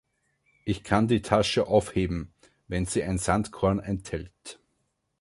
Ich kann die Tasche aufheben, wenn sie ein Sandkorn enthält.